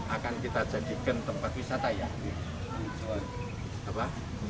akan kita jadikan tempat wisata ya